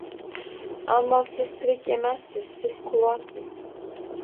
Ammo siz tirik emassiz, siz klonsiz